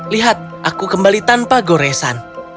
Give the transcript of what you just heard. lihat aku kembali tanpa goresan